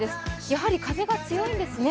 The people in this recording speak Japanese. やはり風が強いんですね。